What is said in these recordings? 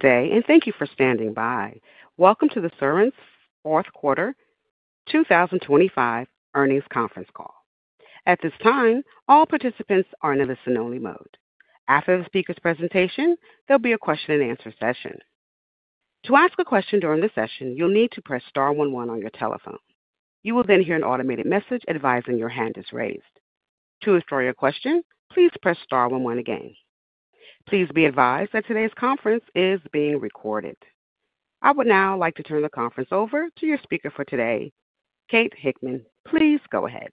Today, and thank you for standing by. Welcome to the Cerence fourth quarter 2025 earnings conference call. At this time, all participants are in a listen-only mode. After the speaker's presentation, there'll be a question-and-answer session. To ask a question during the session, you'll need to press star 11 on your telephone. You will then hear an automated message advising your hand is raised. To restore your question, please press star 11 again. Please be advised that today's conference is being recorded. I would now like to turn the conference over to your speaker for today, Kate Hickman. Please go ahead.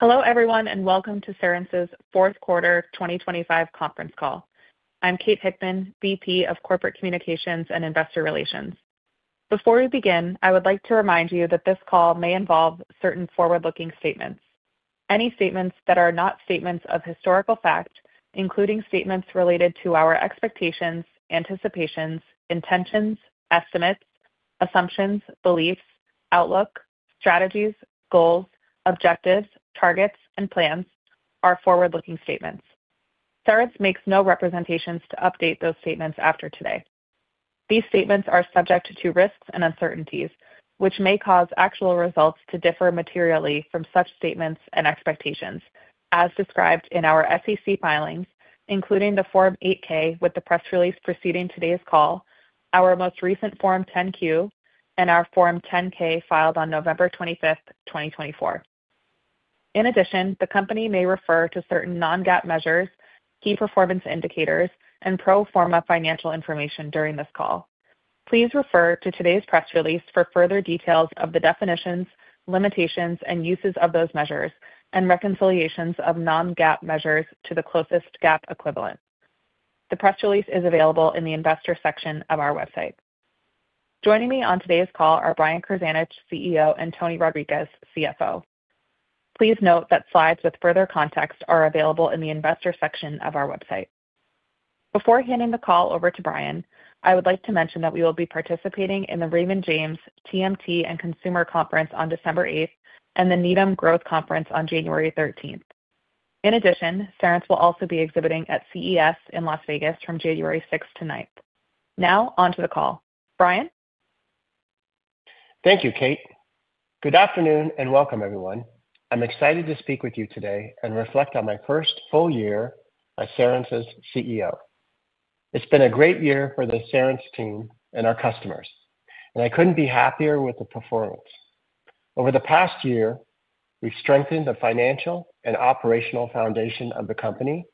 Hello, everyone, and welcome to Cerence's Fourth Quarter 2025 conference call. I'm Kate Hickman, VP of Corporate Communications and Investor Relations. Before we begin, I would like to remind you that this call may involve certain forward-looking statements, any statements that are not statements of historical fact, including statements related to our expectations, anticipations, intentions, estimates, assumptions, beliefs, outlook, strategies, goals, objectives, targets, and plans are forward-looking statements. Cerence makes no representations to update those statements after today. These statements are subject to risks and uncertainties, which may cause actual results to differ materially from such statements and expectations, as described in our SEC filings, including the Form 8K with the press release preceding today's call, our most recent Form 10Q, and our Form 10K filed on November 25th, 2024. In addition, the company may refer to certain non-GAAP measures, key performance indicators, and pro forma financial information during this call. Please refer to today's press release for further details of the definitions, limitations, and uses of those measures and reconciliations of non-GAAP measures to the closest GAAP equivalent. The press release is available in the investor section of our website. Joining me on today's call are Brian Krzanich, CEO, and Tony Rodriquez, CFO. Please note that slides with further context are available in the investor section of our website. Before handing the call over to Brian, I would like to mention that we will be participating in the Raymond James TMT and Consumer Conference on December 8th and the Needham Growth Conference on January 13th. In addition, Cerence will also be exhibiting at CES in Las Vegas from January 6th to 9th. Now, on to the call. Brian? Thank you, Kate. Good afternoon and welcome, everyone. I'm excited to speak with you today and reflect on my first full year as Cerence's CEO. It's been a great year for the Cerence team and our customers, and I couldn't be happier with the performance. Over the past year, we've strengthened the financial and operational foundation of the company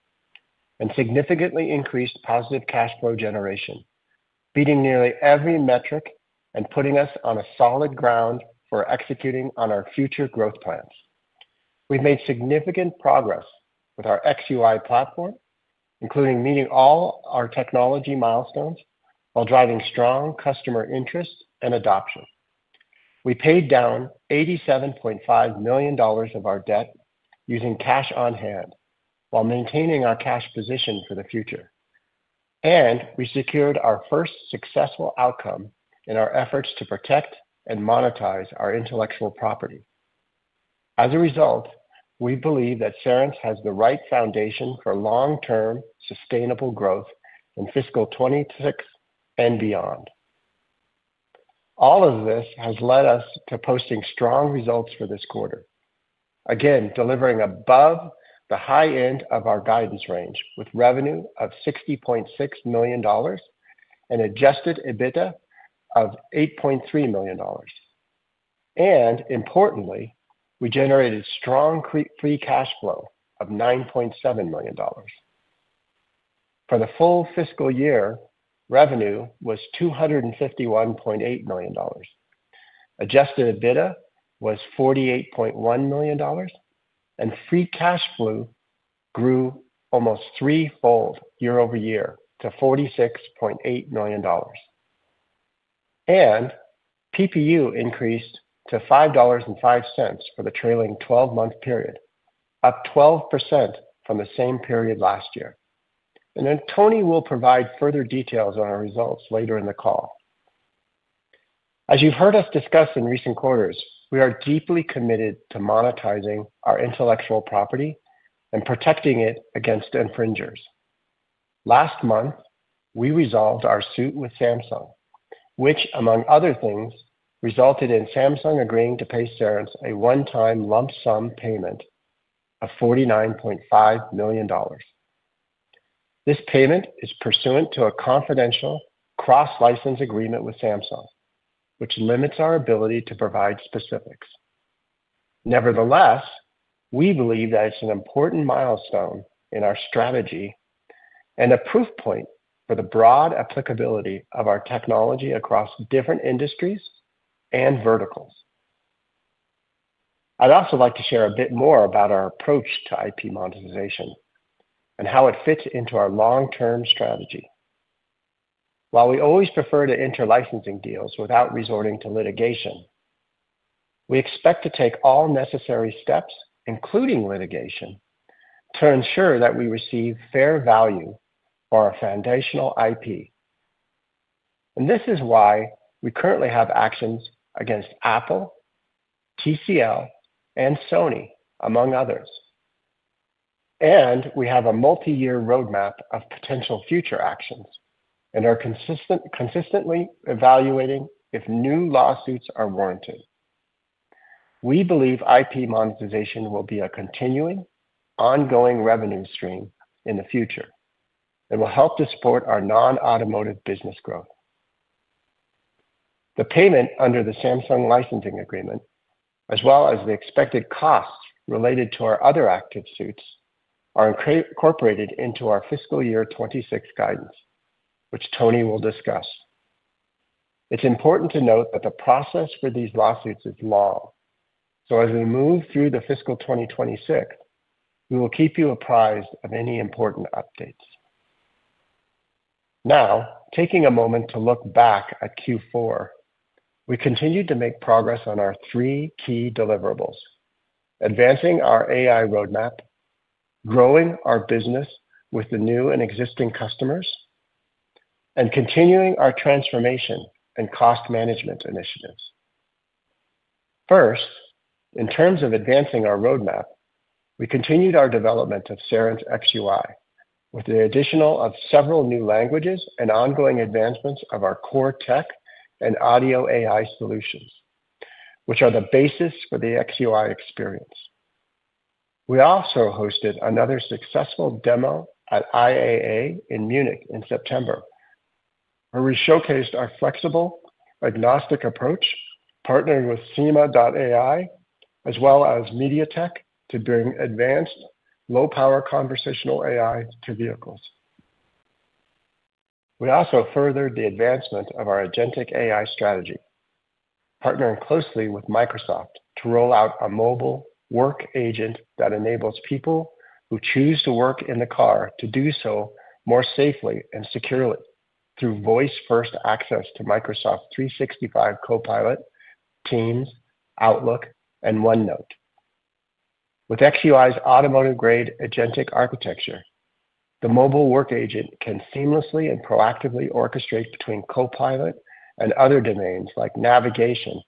and significantly increased positive cash flow generation, beating nearly every metric and putting us on solid ground for executing on our future growth plans. We've made significant progress with our XUI platform, including meeting all our technology milestones while driving strong customer interest and adoption. We paid down $87.5 million of our debt using cash on hand while maintaining our cash position for the future, and we secured our first successful outcome in our efforts to protect and monetize our intellectual property. As a result, we believe that Cerence has the right foundation for long-term sustainable growth in fiscal 2026 and beyond. All of this has led us to posting strong results for this quarter, again delivering above the high end of our guidance range with revenue of $60.6 million and adjusted EBITDA of $8.3 million. Importantly, we generated strong free cash flow of $9.7 million. For the full fiscal year, revenue was $251.8 million. Adjusted EBITDA was $48.1 million, and free cash flow grew almost threefold year over year to $46.8 million. PPU increased to $5.05 for the trailing 12-month period, up 12% from the same period last year. Tony will provide further details on our results later in the call. As you've heard us discuss in recent quarters, we are deeply committed to monetizing our intellectual property and protecting it against infringers. Last month, we resolved our suit with Samsung, which, among other things, resulted in Samsung agreeing to pay Cerence a one-time lump sum payment of $49.5 million. This payment is pursuant to a confidential cross-license agreement with Samsung, which limits our ability to provide specifics. Nevertheless, we believe that it's an important milestone in our strategy and a proof point for the broad applicability of our technology across different industries and verticals. I'd also like to share a bit more about our approach to IP monetization and how it fits into our long-term strategy. While we always prefer to enter licensing deals without resorting to litigation, we expect to take all necessary steps, including litigation, to ensure that we receive fair value for our foundational IP. This is why we currently have actions against Apple, TCL, and Sony, among others. We have a multi-year roadmap of potential future actions and are consistently evaluating if new lawsuits are warranted. We believe IP monetization will be a continuing, ongoing revenue stream in the future and will help to support our non-automotive business growth. The payment under the Samsung licensing agreement, as well as the expected costs related to our other active suits, are incorporated into our fiscal year 2026 guidance, which Tony will discuss. It is important to note that the process for these lawsuits is long, so as we move through fiscal 2026, we will keep you apprised of any important updates. Now, taking a moment to look back at Q4, we continued to make progress on our three key deliverables: advancing our AI roadmap, growing our business with the new and existing customers, and continuing our transformation and cost management initiatives. First, in terms of advancing our roadmap, we continued our development of Cerence XUI with the addition of several new languages and ongoing advancements of our core tech and audio AI solutions, which are the basis for the XUI experience. We also hosted another successful demo at IAA in Munich in September, where we showcased our flexible agnostic approach, partnering with Cima.ai, as well as MediaTek to bring advanced low-power conversational AI to vehicles. We also furthered the advancement of our agentic AI strategy, partnering closely with Microsoft to roll out a mobile work agent that enables people who choose to work in the car to do so more safely and securely through voice-first access to Microsoft 365 Copilot, Teams, Outlook, and OneNote. With XUI's automotive-grade agentic architecture, the mobile work agent can seamlessly and proactively orchestrate between Copilot and other domains like navigation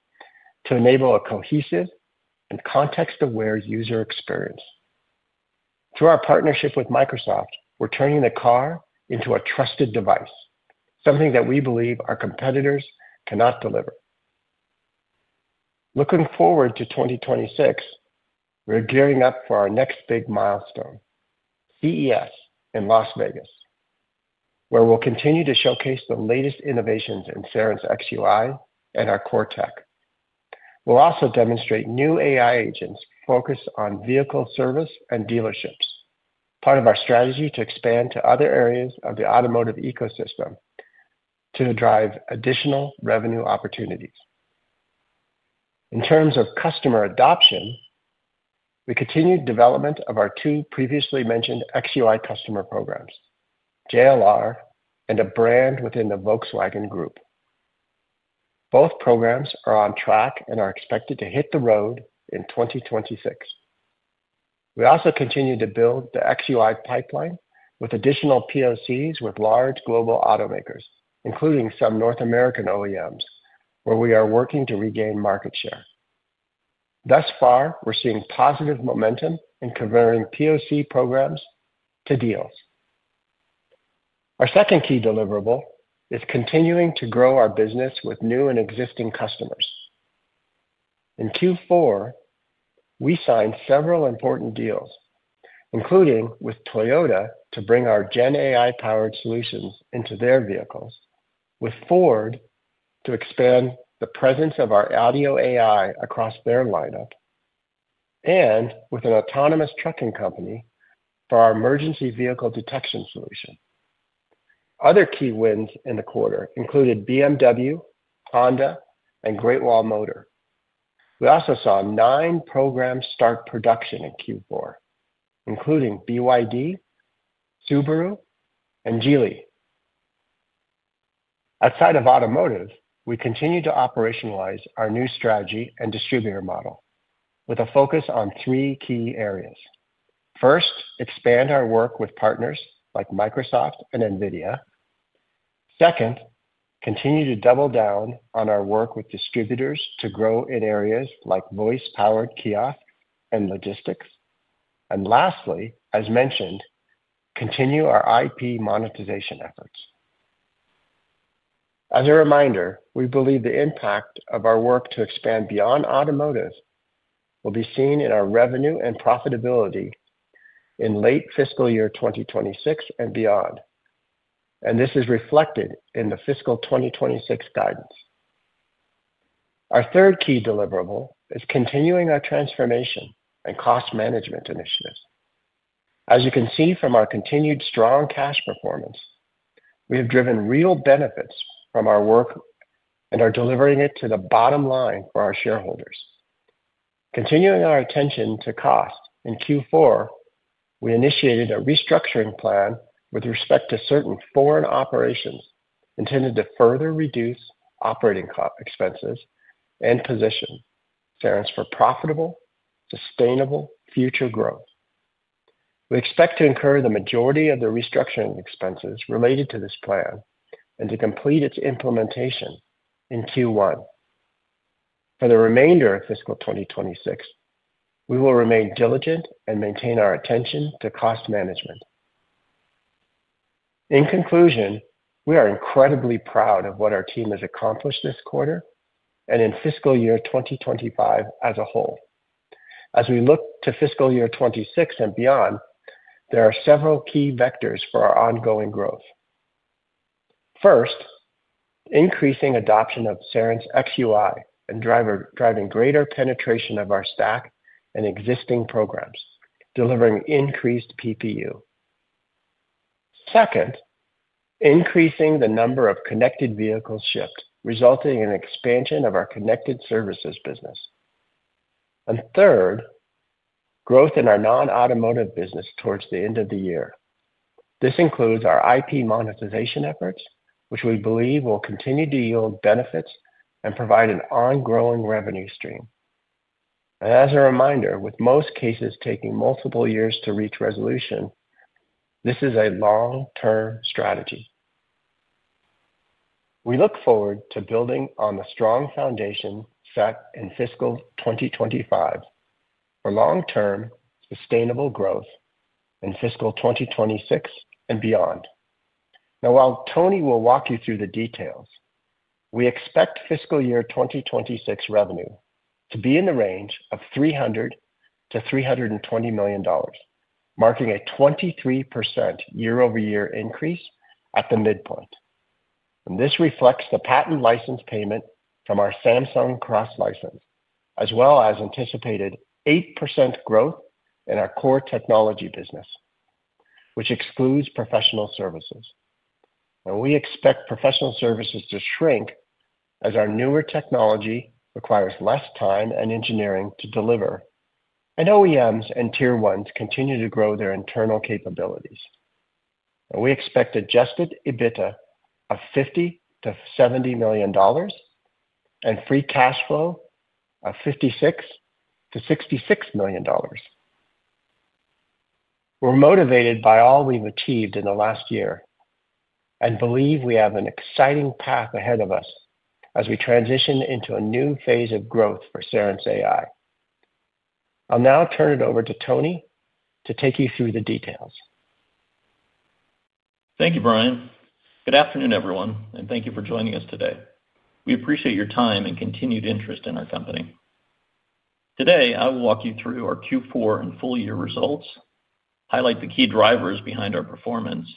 to enable a cohesive and context-aware user experience. Through our partnership with Microsoft, we're turning the car into a trusted device, something that we believe our competitors cannot deliver. Looking forward to 2026, we're gearing up for our next big milestone, CES in Las Vegas, where we'll continue to showcase the latest innovations in Cerence XUI and our core tech. We'll also demonstrate new AI agents focused on vehicle service and dealerships, part of our strategy to expand to other areas of the automotive ecosystem to drive additional revenue opportunities. In terms of customer adoption, we continued development of our two previously mentioned XUI customer programs, JLR and a brand within the Volkswagen Group. Both programs are on track and are expected to hit the road in 2026. We also continue to build the XUI pipeline with additional POCs with large global automakers, including some North American OEMs, where we are working to regain market share. Thus far, we're seeing positive momentum in converting POC programs to deals. Our second key deliverable is continuing to grow our business with new and existing customers. In Q4, we signed several important deals, including with Toyota to bring our GenAI-powered solutions into their vehicles, with Ford to expand the presence of our audio AI across their lineup, and with an autonomous trucking company for our emergency vehicle detection solution. Other key wins in the quarter included BMW, Honda, and Great Wall Motor. We also saw nine programs start production in Q4, including BYD, Subaru, and Geely. Outside of automotive, we continue to operationalize our new strategy and distributor model with a focus on three key areas. First, expand our work with partners like Microsoft and NVIDIA. Second, continue to double down on our work with distributors to grow in areas like voice-powered kiosks and logistics. Lastly, as mentioned, continue our IP monetization efforts. As a reminder, we believe the impact of our work to expand beyond automotive will be seen in our revenue and profitability in late fiscal year 2026 and beyond, and this is reflected in the fiscal 2026 guidance. Our third key deliverable is continuing our transformation and cost management initiatives. As you can see from our continued strong cash performance, we have driven real benefits from our work and are delivering it to the bottom line for our shareholders. Continuing our attention to cost, in Q4, we initiated a restructuring plan with respect to certain foreign operations intended to further reduce operating expenses and position Cerence for profitable, sustainable future growth. We expect to incur the majority of the restructuring expenses related to this plan and to complete its implementation in Q1. For the remainder of fiscal 2026, we will remain diligent and maintain our attention to cost management. In conclusion, we are incredibly proud of what our team has accomplished this quarter and in fiscal year 2025 as a whole. As we look to fiscal year 2026 and beyond, there are several key vectors for our ongoing growth. First, increasing adoption of Cerence XUI and driving greater penetration of our stack and existing programs, delivering increased PPU. Second, increasing the number of connected vehicles shipped, resulting in expansion of our connected services business. Third, growth in our non-automotive business towards the end of the year. This includes our IP monetization efforts, which we believe will continue to yield benefits and provide an ongoing revenue stream. As a reminder, with most cases taking multiple years to reach resolution, this is a long-term strategy. We look forward to building on the strong foundation set in fiscal 2025 for long-term sustainable growth in fiscal 2026 and beyond. While Tony will walk you through the details, we expect fiscal year 2026 revenue to be in the range of $300 million-$320 million, marking a 23% year-over-year increase at the midpoint. This reflects the patent license payment from our Samsung cross-license, as well as anticipated 8% growth in our core technology business, which excludes professional services. We expect professional services to shrink as our newer technology requires less time and engineering to deliver, and OEMs and tier ones continue to grow their internal capabilities. We expect adjusted EBITDA of $50 million-$70 million and free cash flow of $56 million-$66 million. We're motivated by all we've achieved in the last year and believe we have an exciting path ahead of us as we transition into a new phase of growth for Cerence AI. I'll now turn it over to Tony to take you through the details. Thank you, Brian. Good afternoon, everyone, and thank you for joining us today. We appreciate your time and continued interest in our company. Today, I will walk you through our Q4 and full-year results, highlight the key drivers behind our performance,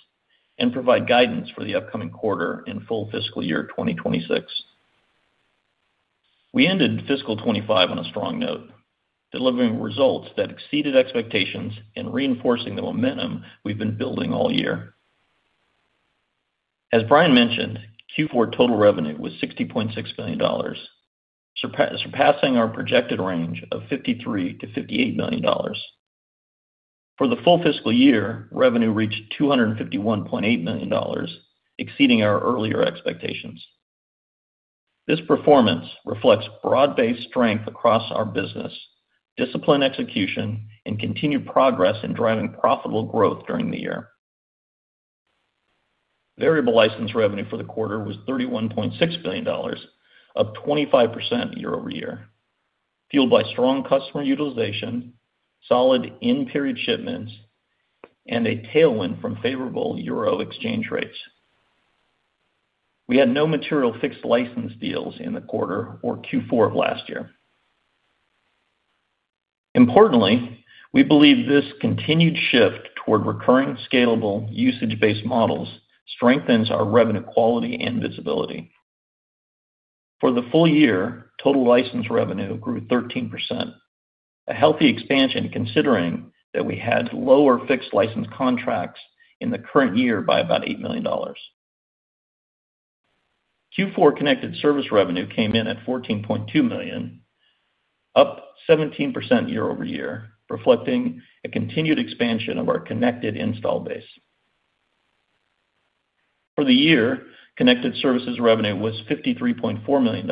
and provide guidance for the upcoming quarter and full fiscal year 2026. We ended fiscal 2025 on a strong note, delivering results that exceeded expectations and reinforcing the momentum we've been building all year. As Brian mentioned, Q4 total revenue was $60.6 million, surpassing our projected range of $53-$58 million. For the full fiscal year, revenue reached $251.8 million, exceeding our earlier expectations. This performance reflects broad-based strength across our business, discipline execution, and continued progress in driving profitable growth during the year. Variable license revenue for the quarter was $31.6 million, up 25% year-over-year, fueled by strong customer utilization, solid in-period shipments, and a tailwind from favorable euro exchange rates. We had no material fixed license deals in the quarter or Q4 of last year. Importantly, we believe this continued shift toward recurring, scalable, usage-based models strengthens our revenue quality and visibility. For the full year, total license revenue grew 13%, a healthy expansion considering that we had lower fixed license contracts in the current year by about $8 million. Q4 connected service revenue came in at 14.2 million, up 17% year-over-year, reflecting a continued expansion of our connected install base. For the year, connected services revenue was $53.4 million,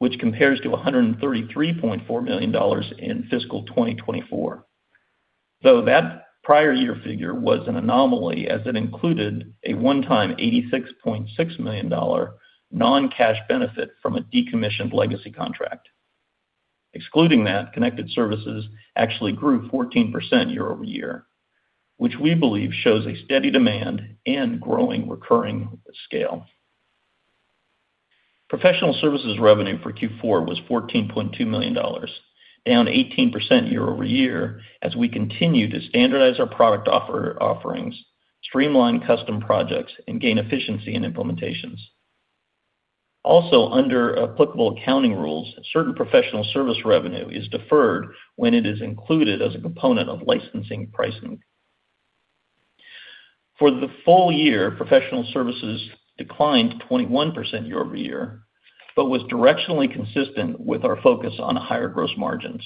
which compares to $133.4 million in fiscal 2023, though that prior year figure was an anomaly as it included a one-time $86.6 million non-cash benefit from a decommissioned legacy contract. Excluding that, connected services actually grew 14% year-over-year, which we believe shows a steady demand and growing recurring scale. Professional services revenue for Q4 was $14.2 million, down 18% year-over-year as we continue to standardize our product offerings, streamline custom projects, and gain efficiency in implementations. Also, under applicable accounting rules, certain professional services revenue is deferred when it is included as a component of licensing pricing. For the full year, professional services declined 21% year-over-year but was directionally consistent with our focus on higher gross margins.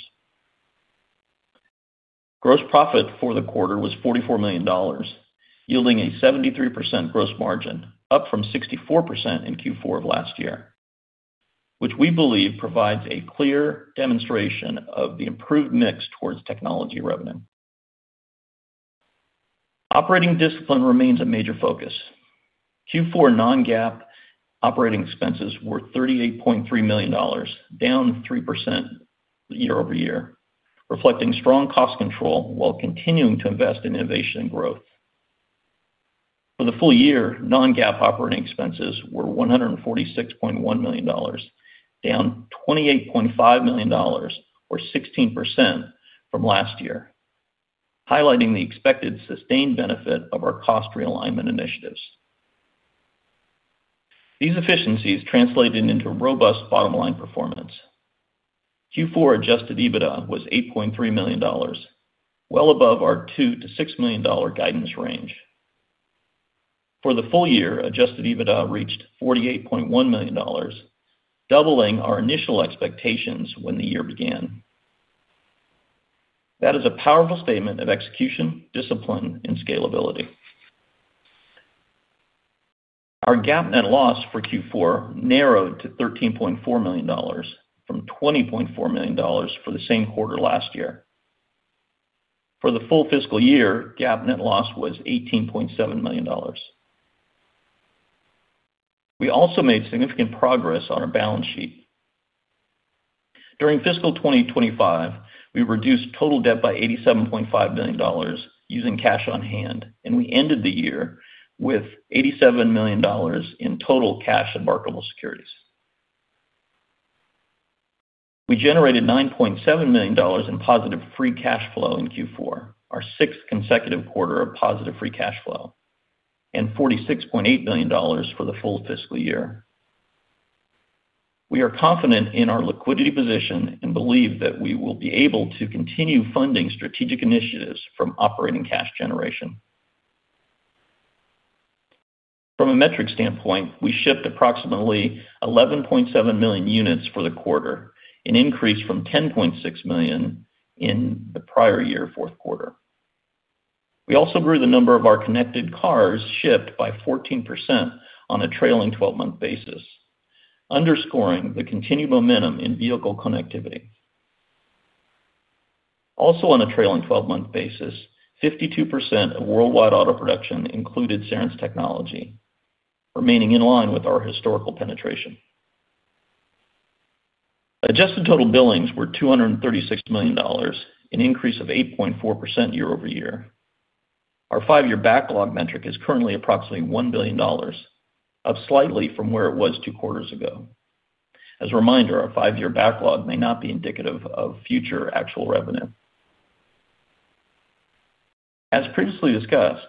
Gross profit for the quarter was $44 million, yielding a 73% gross margin, up from 64% in Q4 of last year, which we believe provides a clear demonstration of the improved mix towards technology revenue. Operating discipline remains a major focus. Q4 non-GAAP operating expenses were $38.3 million, down 3% year-over-year, reflecting strong cost control while continuing to invest in innovation and growth. For the full year, non-GAAP operating expenses were $146.1 million, down $28.5 million, or 16% from last year, highlighting the expected sustained benefit of our cost realignment initiatives. These efficiencies translated into robust bottom-line performance. Q4 adjusted EBITDA was $8.3 million, well above our $2-$6 million guidance range. For the full year, adjusted EBITDA reached $48.1 million, doubling our initial expectations when the year began. That is a powerful statement of execution, discipline, and scalability. Our GAAP net loss for Q4 narrowed to $13.4 million from $20.4 million for the same quarter last year. For the full fiscal year, GAAP net loss was $18.7 million. We also made significant progress on our balance sheet. During fiscal 2025, we reduced total debt by $87.5 million using cash on hand, and we ended the year with $87 million in total cash and marketable securities. We generated $9.7 million in positive free cash flow in Q4, our sixth consecutive quarter of positive free cash flow, and $46.8 million for the full fiscal year. We are confident in our liquidity position and believe that we will be able to continue funding strategic initiatives from operating cash generation. From a metric standpoint, we shipped approximately 11.7 million units for the quarter, an increase from 10.6 million in the prior year fourth quarter. We also grew the number of our connected cars shipped by 14% on a trailing 12-month basis, underscoring the continued momentum in vehicle connectivity. Also, on a trailing 12-month basis, 52% of worldwide auto production included Cerence technology, remaining in line with our historical penetration. Adjusted total billings were $236 million, an increase of 8.4% year-over-year. Our five-year backlog metric is currently approximately $1 billion, up slightly from where it was two quarters ago. As a reminder, our five-year backlog may not be indicative of future actual revenue. As previously discussed,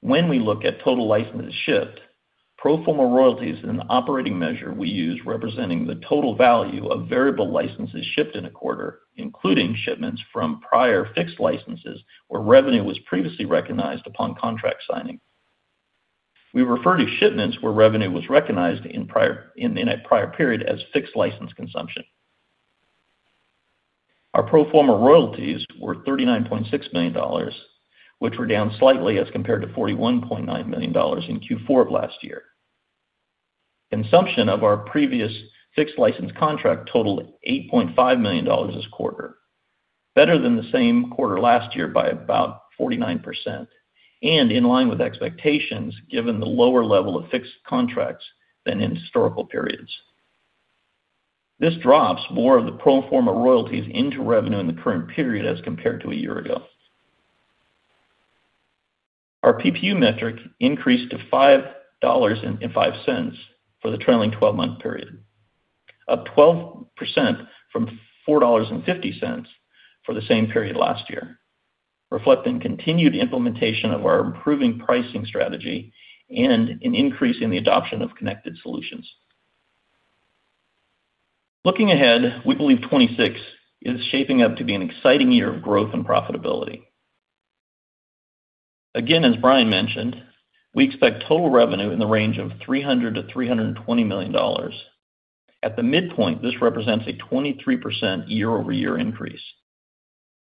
when we look at total licenses shipped, pro forma royalties is an operating measure we use representing the total value of variable licenses shipped in a quarter, including shipments from prior fixed licenses where revenue was previously recognized upon contract signing. We refer to shipments where revenue was recognized in a prior period as fixed license consumption. Our pro forma royalties were $39.6 million, which were down slightly as compared to $41.9 million in Q4 of last year. Consumption of our previous fixed license contract totaled $8.5 million this quarter, better than the same quarter last year by about 49%, and in line with expectations given the lower level of fixed contracts than in historical periods. This drops more of the pro forma royalties into revenue in the current period as compared to a year ago. Our PPU metric increased to $5.05 for the trailing 12-month period, up 12% from $4.50 for the same period last year, reflecting continued implementation of our improving pricing strategy and an increase in the adoption of connected solutions. Looking ahead, we believe 2026 is shaping up to be an exciting year of growth and profitability. Again, as Brian mentioned, we expect total revenue in the range of $300-$320 million. At the midpoint, this represents a 23% year-over-year increase.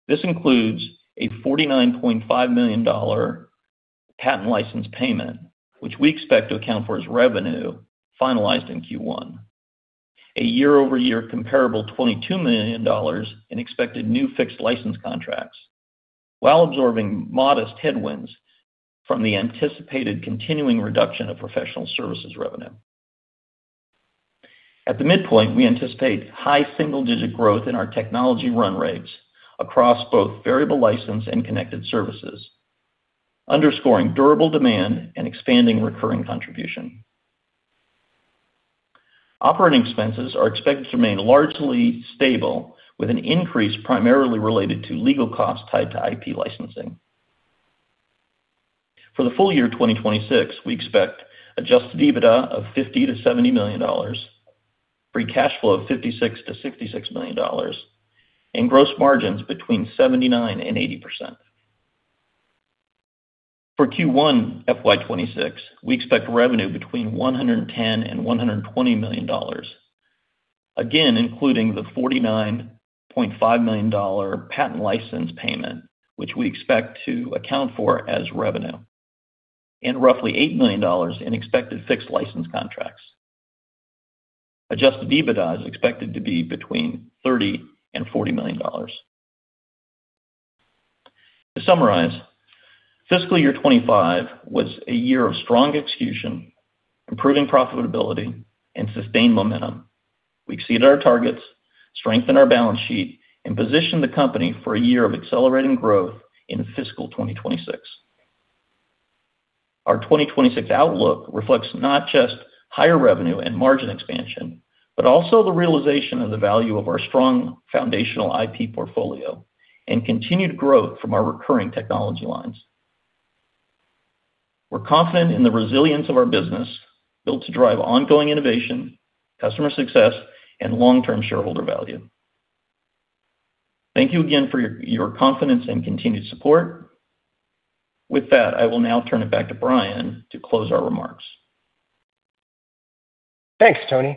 This includes a $49.5 million patent license payment, which we expect to account for as revenue finalized in Q1, a year-over-year comparable $22 million in expected new fixed license contracts, while absorbing modest headwinds from the anticipated continuing reduction of professional services revenue. At the midpoint, we anticipate high single-digit growth in our technology run rates across both variable license and connected services, underscoring durable demand and expanding recurring contribution. Operating expenses are expected to remain largely stable, with an increase primarily related to legal costs tied to IP licensing. For the full year 2026, we expect adjusted EBITDA of $50-$70 million, free cash flow of $56-$66 million, and gross margins between 79% and 80%. For Q1 FY2026, we expect revenue between $110 million and $120 million, again including the $49.5 million patent license payment, which we expect to account for as revenue, and roughly $8 million in expected fixed license contracts. Adjusted EBITDA is expected to be between $30 million and $40 million. To summarize, fiscal year 2025 was a year of strong execution, improving profitability, and sustained momentum. We exceeded our targets, strengthened our balance sheet, and positioned the company for a year of accelerating growth in fiscal 2026. Our 2026 outlook reflects not just higher revenue and margin expansion, but also the realization of the value of our strong foundational IP portfolio and continued growth from our recurring technology lines. We're confident in the resilience of our business built to drive ongoing innovation, customer success, and long-term shareholder value. Thank you again for your confidence and continued support. With that, I will now turn it back to Brian to close our remarks. Thanks, Tony.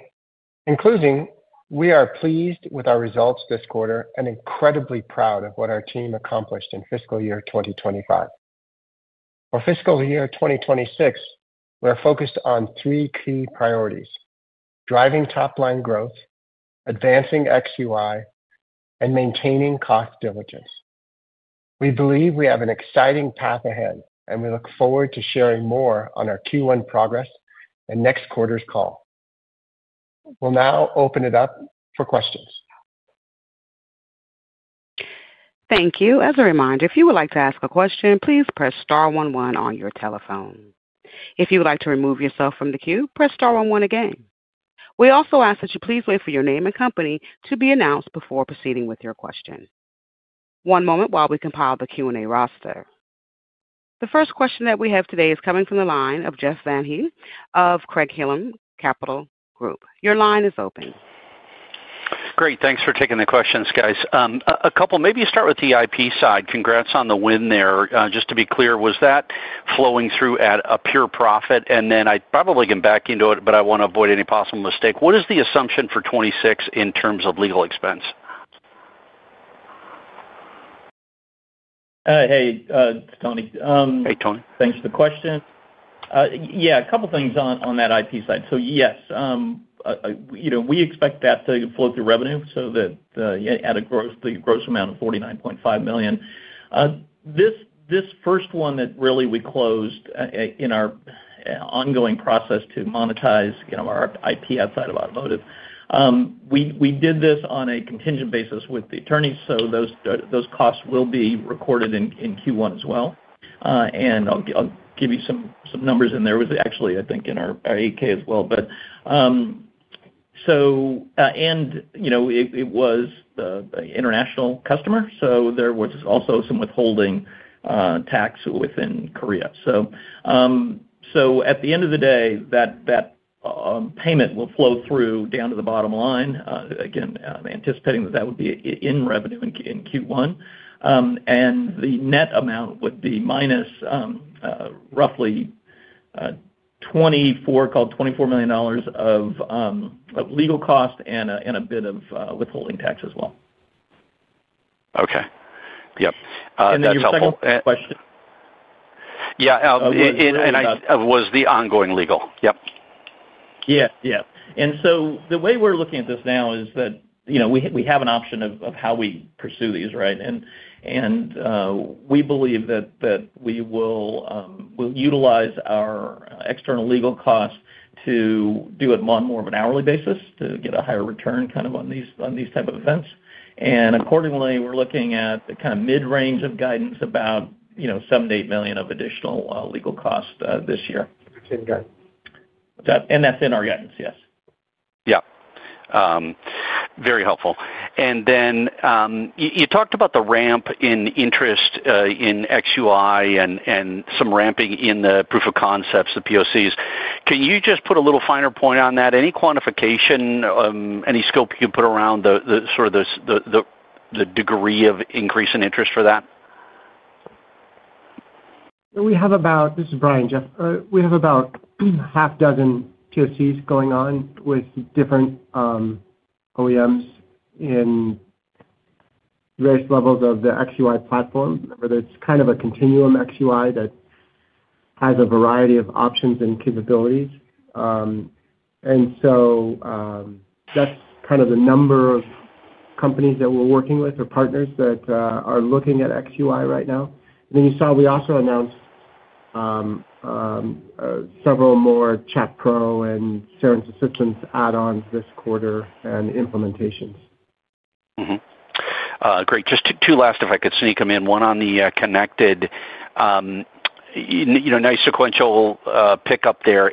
In closing, we are pleased with our results this quarter and incredibly proud of what our team accomplished in fiscal year 2025. For fiscal year 2026, we're focused on three key priorities: driving top-line growth, advancing XUI, and maintaining cost diligence. We believe we have an exciting path ahead, and we look forward to sharing more on our Q1 progress and next quarter's call. We'll now open it up for questions. Thank you. As a reminder, if you would like to ask a question, please press star 11 on your telephone. If you would like to remove yourself from the queue, press star 11 again. We also ask that you please wait for your name and company to be announced before proceeding with your question. One moment while we compile the Q&A roster. The first question that we have today is coming from the line of Jeff Van Rhee of Craig-Hallum Capital Group. Your line is open. Great. Thanks for taking the questions, guys. A couple—maybe you start with the IP side. Congrats on the win there. Just to be clear, was that flowing through at a pure profit? And then I'd probably get back into it, but I want to avoid any possible mistake. What is the assumption for 2026 in terms of legal expense? Hey, Tony. Hey, Tony. Thanks for the question. Yeah, a couple of things on that IP side. So yes, we expect that to flow through revenue, so that added gross, the gross amount of 49.5 million. This first one that really we closed in our ongoing process to monetize our IP outside of automotive. We did this on a contingent basis with the attorneys, so those costs will be recorded in Q1 as well. I'll give you some numbers in there. It was actually, I think, in our 8K as well. It was an international customer, so there was also some withholding tax within Korea. At the end of the day, that payment will flow through down to the bottom line, again, anticipating that that would be in revenue in Q1. The net amount would be minus roughly $24 million of legal cost and a bit of withholding tax as well. Okay. Yep. That's helpful. That's helpful for the question. Yeah. Was the ongoing legal. Yep. Yeah. The way we're looking at this now is that we have an option of how we pursue these, right? We believe that we will utilize our external legal costs to do it on more of an hourly basis to get a higher return kind of on these type of events. Accordingly, we're looking at the kind of mid-range of guidance, about $78 million of additional legal costs this year. That's in our guidance, yes. Yep. Very helpful. You talked about the ramp in interest in XUI and some ramping in the proof of concepts, the POCs. Can you just put a little finer point on that? Any quantification, any scope you can put around sort of the degree of increase in interest for that? We have about—this is Brian, Jeff. We have about half dozen POCs going on with different OEMs in various levels of the XUI platform. It's kind of a continuum XUI that has a variety of options and capabilities. That's kind of the number of companies that we're working with or partners that are looking at XUI right now. You saw we also announced several more ChatPro and Cerence Assistance add-ons this quarter and implementations. Great. Just two last, if I could sneak them in. One on the connected, nice sequential pickup there.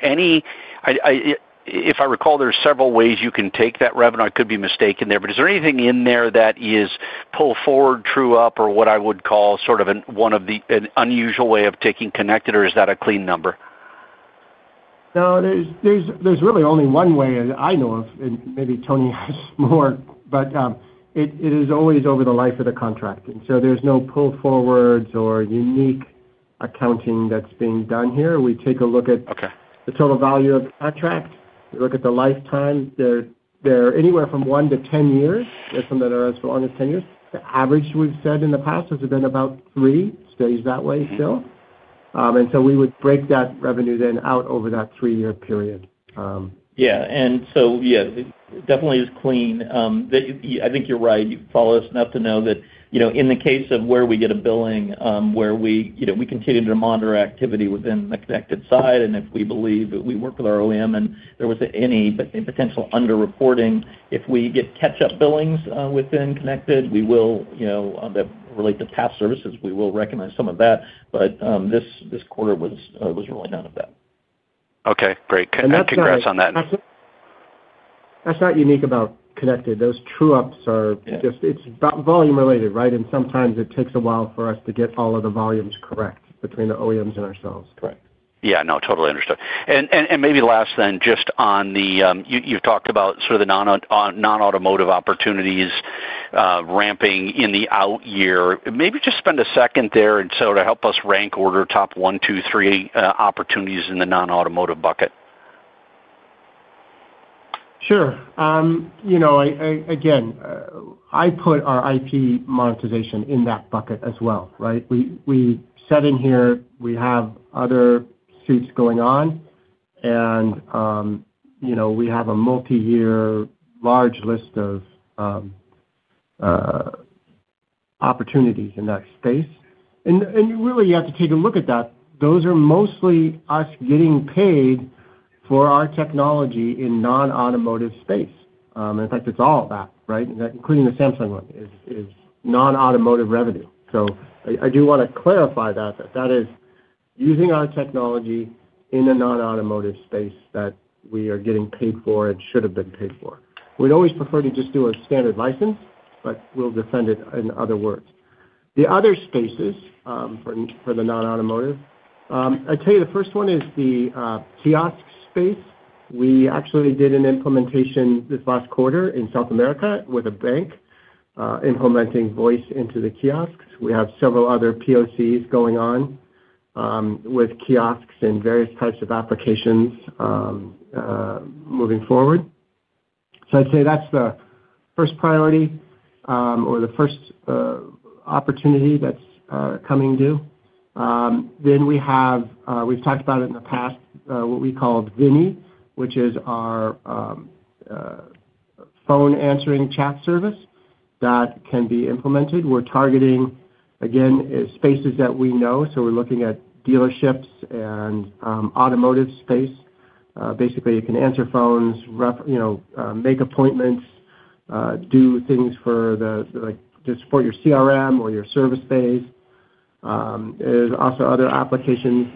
If I recall, there are several ways you can take that revenue. I could be mistaken there, but is there anything in there that is pull forward, true up, or what I would call sort of one of the unusual ways of taking connected, or is that a clean number? No, there's really only one way that I know of, and maybe Tony has more, but it is always over the life of the contract. There's no pull forwards or unique accounting that's being done here. We take a look at the total value of the contract. We look at the lifetime. They're anywhere from 1 to 10 years. There are some that are as long as 10 years. The average we've said in the past has been about 3. Stays that way still. We would break that revenue then out over that three-year period. Yeah. Yeah, definitely is clean. I think you're right. You follow us enough to know that in the case of where we get a billing where we continue to monitor activity within the connected side, and if we believe we work with our OEM and there was any potential underreporting, if we get catch-up billings within connected, we will relate to past services. We will recognize some of that, but this quarter was really none of that. Okay. Great. Congrats on that. That's not unique about connected. Those true-ups are just—it's volume related, right? And sometimes it takes a while for us to get all of the volumes correct between the OEMs and ourselves. Correct. Yeah. No, totally understood. Maybe last then, just on the—you've talked about sort of the non-automotive opportunities ramping in the out year. Maybe just spend a second there and sort of help us rank order top one, two, three opportunities in the non-automotive bucket. Sure. Again, I put our IP monetization in that bucket as well, right? We set in here. We have other suits going on, and we have a multi-year large list of opportunities in that space. Really, you have to take a look at that. Those are mostly us getting paid for our technology in non-automotive space. In fact, it's all that, right? Including the Samsung one, is non-automotive revenue. I do want to clarify that. That is using our technology in a non-automotive space that we are getting paid for and should have been paid for. We'd always prefer to just do a standard license, but we'll defend it in other words. The other spaces for the non-automotive, I'd tell you the first one is the kiosk space. We actually did an implementation this last quarter in South America with a bank implementing voice into the kiosks. We have several other POCs going on with kiosks and various types of applications moving forward. I'd say that's the first priority or the first opportunity that's coming due. We have—we've talked about it in the past—what we call VINI, which is our phone answering chat service that can be implemented. We're targeting, again, spaces that we know. We're looking at dealerships and automotive space. Basically, you can answer phones, make appointments, do things to support your CRM or your service bays. There are also other applications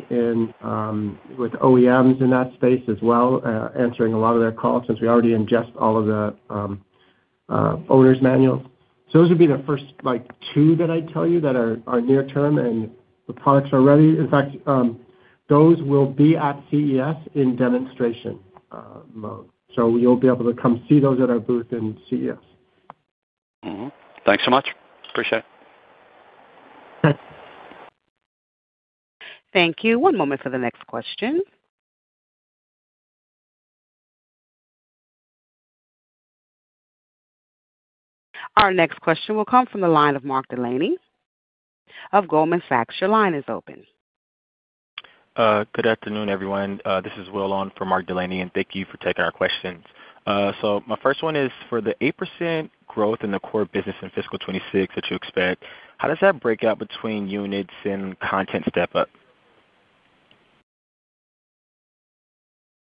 with OEMs in that space as well, answering a lot of their calls since we already ingest all of the owner's manuals. Those would be the first two that I would tell you that are near term and the products are ready. In fact, those will be at CES in demonstration mode. You will be able to come see those at our booth in CES. Thanks so much. Appreciate it. Thank you. One moment for the next question. Our next question will come from the line of Mark Delaney of Goldman Sachs. Your line is open. Good afternoon, everyone. This is W from Mark Delaney, and thank you for taking our questions. My first one is for the 8% growth in the core business in fiscal 2026 that you expect. How does that break out between units and content step-up?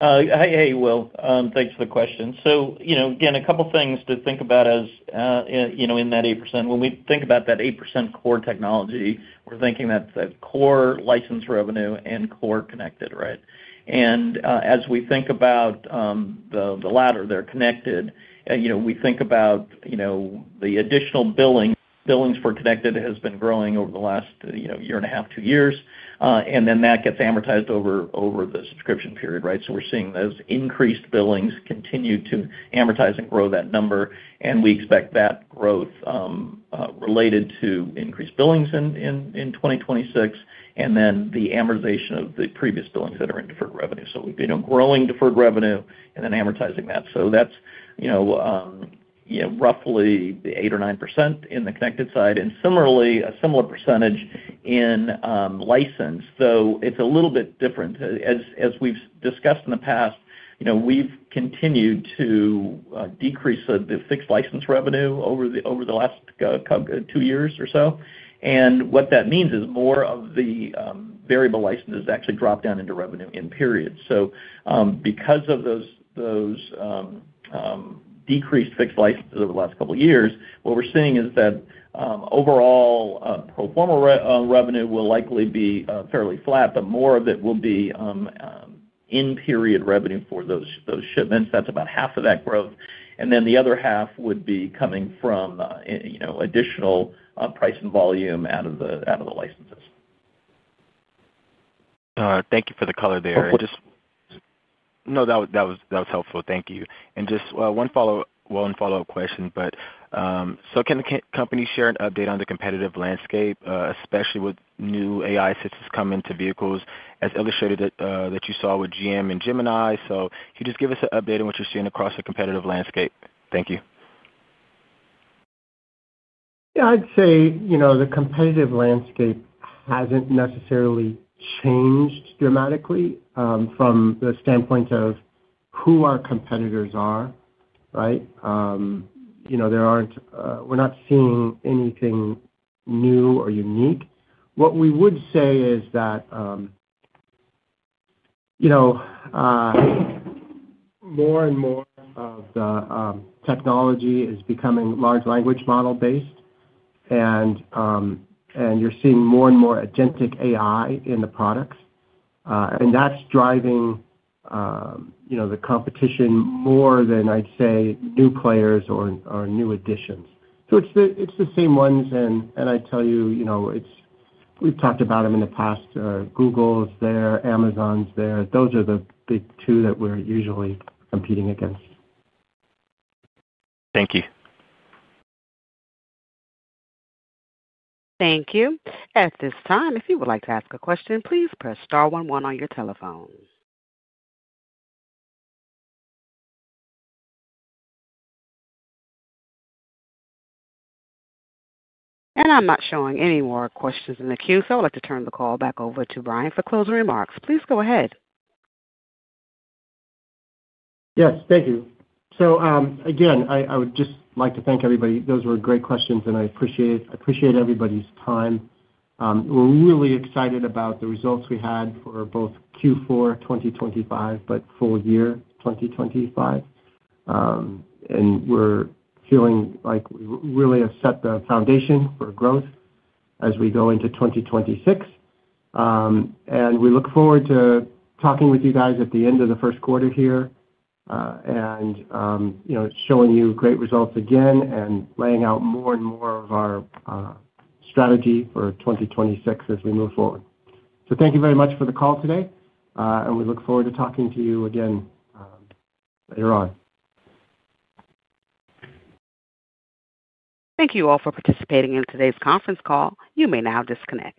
Hey, Will. Thanks for the question. Again, a couple of things to think about as in that 8%. When we think about that 8% core technology, we're thinking that's that core license revenue and core connected, right? As we think about the latter, they're connected. We think about the additional billing. Billings for connected has been growing over the last year and a half, two years. That gets amortized over the subscription period, right? We're seeing those increased billings continue to amortize and grow that number. We expect that growth related to increased billings in 2026 and then the amortization of the previous billings that are in deferred revenue. Growing deferred revenue and then amortizing that. That's roughly the 8% or 9% in the connected side and similarly a similar percentage in license, though it's a little bit different. As we've discussed in the past, we've continued to decrease the fixed license revenue over the last two years or so. What that means is more of the variable licenses actually dropped down into revenue in periods. Because of those decreased fixed licenses over the last couple of years, what we're seeing is that overall pro forma revenue will likely be fairly flat, but more of it will be in-period revenue for those shipments. That's about half of that growth. The other half would be coming from additional price and volume out of the licenses. Thank you for the color there. No, that was helpful. Thank you. Just one follow-up question, but can the company share an update on the competitive landscape, especially with new AI systems coming to vehicles as illustrated that you saw with GM and Gemini? Can you just give us an update on what you're seeing across the competitive landscape? Thank you. Yeah. I'd say the competitive landscape hasn't necessarily changed dramatically from the standpoint of who our competitors are, right? We're not seeing anything new or unique. What we would say is that more and more of the technology is becoming large language model-based, and you're seeing more and more agentic AI in the products. That's driving the competition more than, I'd say, new players or new additions. It's the same ones. I tell you, we've talked about them in the past. Google's there. Amazon's there. Those are the big two that we're usually competing against. Thank you. Thank you. At this time, if you would like to ask a question, please press star 11 on your telephone. I am not showing any more questions in the queue, so I would like to turn the call back over to Brian for closing remarks. Please go ahead. Yes. Thank you. I would just like to thank everybody. Those were great questions, and I appreciate everybody's time. We are really excited about the results we had for both Q4 2025 and full year 2025. We are feeling like we really have set the foundation for growth as we go into 2026. We look forward to talking with you guys at the end of the first quarter here and showing you great results again and laying out more and more of our strategy for 2026 as we move forward. Thank you very much for the call today, and we look forward to talking to you again later on. Thank you all for participating in today's conference call. You may now disconnect.